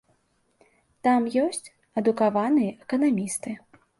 Там ёсць адукаваныя эканамісты.